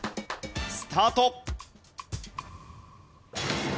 スタート。